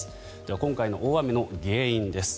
今回の大雨の原因です。